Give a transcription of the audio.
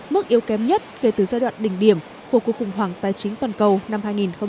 mức yếu kém nhất kể từ giai đoạn đỉnh điểm của cuộc khủng hoảng tài chính toàn cầu năm hai nghìn chín